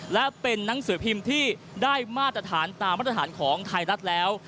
และเป็นนังสือพิมพ์ที่ได้มาตรฐานตามมาตรฐานของไทยรัฐแล้ว